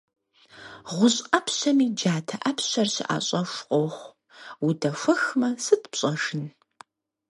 ГъущӀ Ӏэпщэми джатэ Ӏэпщэр щыӀэщӀэху къохъу: удэхуэхмэ, сыт пщӀэжын?